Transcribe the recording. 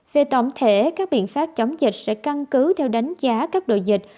về tổng thể các biện pháp chống dịch sẽ căn cứ theo đánh giá các đội dịch